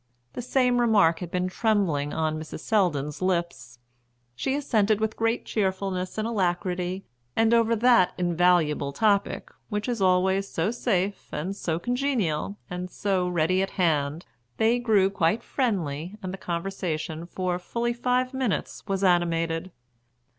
The same remark had been trembling on Mrs. Selldon's lips. She assented with great cheerfulness and alacrity; and over that invaluable topic, which is always so safe, and so congenial, and so ready to hand, they grew quite friendly, and the conversation for fully five minutes was animated.